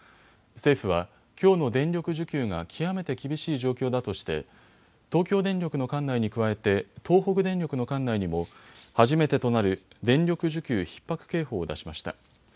政府は、きょうの電力需給が極めて厳しい状況だとして東京電力の管内に加えて東北電力の管内にも初めてとなる電力需給ひっ迫警報を出しました。